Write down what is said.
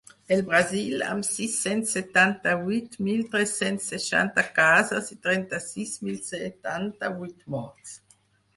El Brasil, amb sis-cents setanta-vuit mil tres-cents seixanta casos i trenta-sis mil setanta-vuit morts.